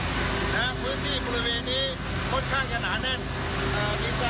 เอ่อสมดุนะฮะพื้นที่บริเวณนี้ค่อนข้างจะหนาแน่นอ่าพี่สาคุณฮะ